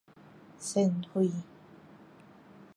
膳費